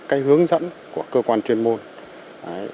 đúng cái hướng dẫn của cơ quan chuyên môi